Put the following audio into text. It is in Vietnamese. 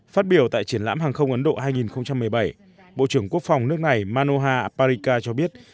phát biểu tại triển lãm hàng không ấn độ hai nghìn một mươi bảy bộ trưởng quốc phòng nước này manoha parika cho biết